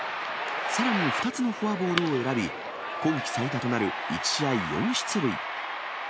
さらに２つのフォアボールを選び、今季最多となる１試合４出塁。